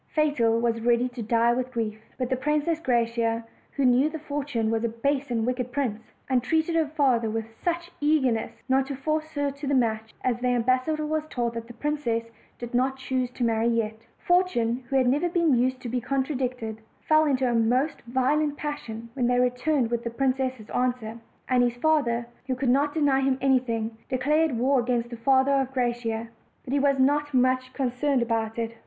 Fatal was ready to die with grief; but the Princess Graciosa, who knew that Fortune was a base and wicked prince, entreated her father with such ear nestness, not to force her to the match that the ambas sador was told the princess did not choose to marry yet. Fortune, who had never been used to be contradicted, fell into a most violent passion when they returned with the princess' answer; and his father, who could not deny him anything, declared war against the father of Gra ciosa. But he was not much concerned about it.